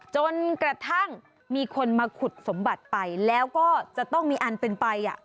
จนกระทั่งมีคนมาขุดสมบัติไปแล้วก็จะต้องมีอันเป็นไป